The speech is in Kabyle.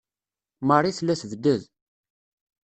Marie tella tebded.